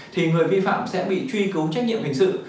thì người vi phạm sẽ bị truy cứu trách nhiệm hình sự